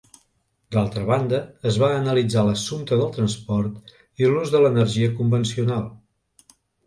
D'altra banda, es va analitzar l'assumpte del transport i l'ús de l'energia convencional.